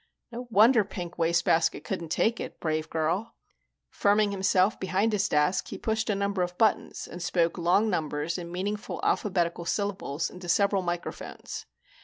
No wonder Pink Wastebasket couldn't take it, brave girl." Firming himself behind his desk, he pushed a number of buttons and spoke long numbers and meaningful alphabetical syllables into several microphones.